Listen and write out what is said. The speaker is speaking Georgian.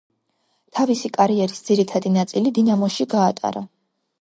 თავისი კარიერის ძირითადი ნაწილი დინამოში გაატარა.